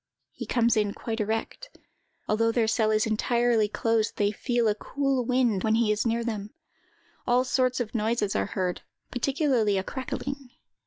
He comes in quite erect. Although their cell is entirely closed, they feel a cool wind when he is near them. All sorts of noises are heard, particularly a crackling.